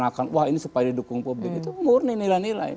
jadi kita berdoa ini supaya didukung publik itu murni nilai nilai